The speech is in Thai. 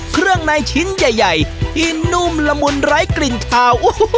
เครื่องในชิ้นใหญ่ที่นุ่มละมุนไร้กลิ่นขาว